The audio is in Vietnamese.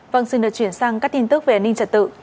vâng xin được chuyển sang các tin tức về an ninh trật tự